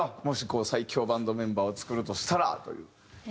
もし最強バンドメンバーを作るとしたらという。